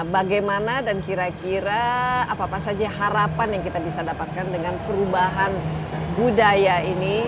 bagaimana dan kira kira apa apa saja harapan yang kita bisa dapatkan dengan perubahan budaya ini